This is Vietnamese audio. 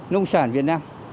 nông sản việt nam